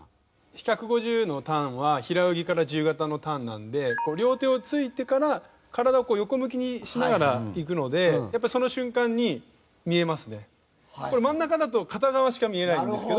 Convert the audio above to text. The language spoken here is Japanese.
１５０のターンは平泳ぎから自由形のターンなので両手をついてから体を横向きにしながらいくのでやっぱその瞬間に見えますね。